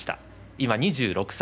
今は２６歳。